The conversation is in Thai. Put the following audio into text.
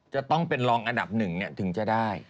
จะต้องเป็นรองอันดับหนึ่งถึงจะได้